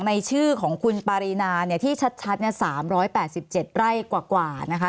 ในชื่อของคุณปรินาเนี่ยที่ชัดเนี่ย๓๘๗ไร่กว่านะคะ